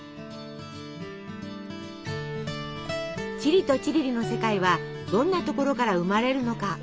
チリとチリリの世界はどんなところから生まれるのか。